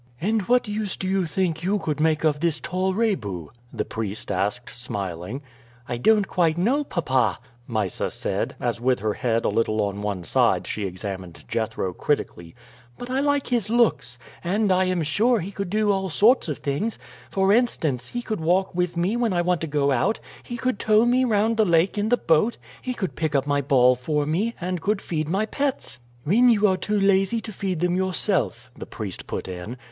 "And what use do you think you could make of this tall Rebu?" the priest asked, smiling. "I don't quite know, papa," Mysa said, as with her head a little on one side she examined Jethro critically, "but I like his looks, and I am sure he could do all sorts of things; for instance, he could walk with me when I want to go out, he could tow me round the lake in the boat, he could pick up my ball for me, and could feed my pets." "When you are too lazy to feed them yourself," the priest put in.